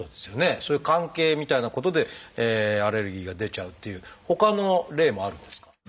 そういう関係みたいなことでアレルギーが出ちゃうっていうほかの例もあるんですか？